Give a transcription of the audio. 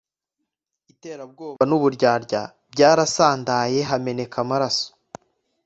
iterabwoba n' uburyarya bwarasandaye hameneka amaraso,